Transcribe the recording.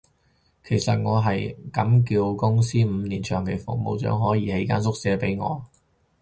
其實我係咁叫公司，五年長期服務獎可以起間宿舍畀我